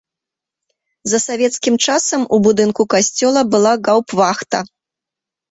За савецкім часам у будынку касцёла была гаўптвахта.